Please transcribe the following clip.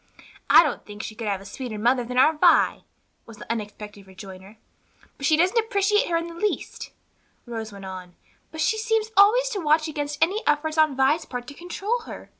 "I don't think she could have a sweeter mother than our Vi," was the unexpected rejoinder. "But she doesn't appreciate her in the least," Rose went on, "but seems always on the watch against any effort on Vi's part to control her."